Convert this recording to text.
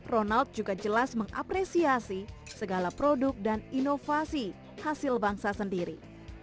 ronald juga jelas mengapresiasi segala produk dan inovasi hasil bangsa sendiri